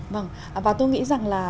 và tôi nghĩ rằng là